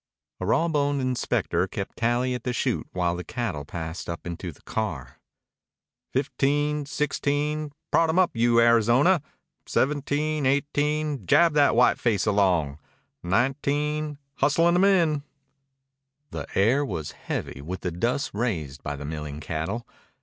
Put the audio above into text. A raw boned inspector kept tally at the chute while the cattle passed up into the car. "Fifteen, sixteen prod 'em up, you Arizona seventeen, eighteen jab that whiteface along nineteen hustle 'em in." The air was heavy with the dust raised by the milling cattle.